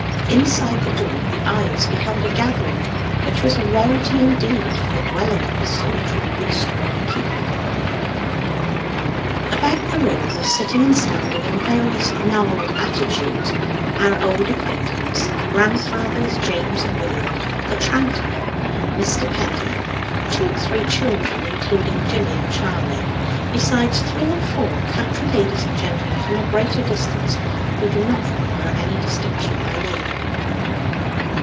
Inside the door the eyes beheld a gathering, which was a rarity indeed for the dwelling of the solitary wood steward and keeper. About the room were sitting and standing, in various gnarled attitudes, our old acquaintance, grandfathers James and William, the tranter, Mr. Penny, two or three children, including Jimmy and Charley, besides three or four country ladies and gentlemen from a greater distance who do not require any distinction by name.